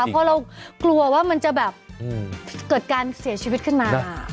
เพราะเรากลัวว่ามันจะแบบเกิดการเสียชีวิตขึ้นมา